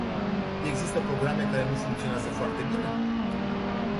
Există programe care nu funcționează foarte bine?